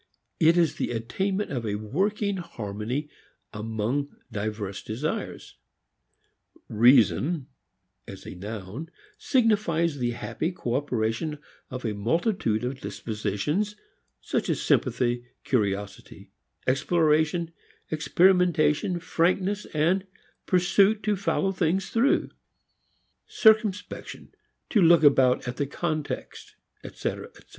It is the attainment of a working harmony among diverse desires. "Reason" as a noun signifies the happy cooperation of a multitude of dispositions, such as sympathy, curiosity, exploration, experimentation, frankness, pursuit to follow things through circumspection, to look about at the context, etc., etc.